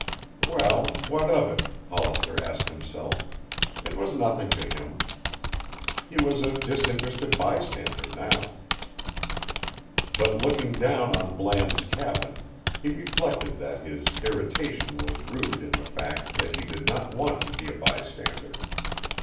Well, what of it, Hollister asked himself? It was nothing to him. He was a disinterested bystander now. But looking down on Bland's cabin, he reflected that his irritation was rooted in the fact that he did not want to be a bystander.